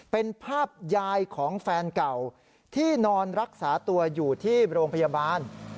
เป็นภาพยายของแฟนเก่าที่นอนรักษาตัวอยู่ที่โรงพยาบาล